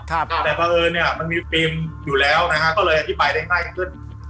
แต่เพราะเอิญเนี่ยมันมีฟิล์มอยู่แล้วนะฮะก็เลยอธิบายได้ง่ายขึ้น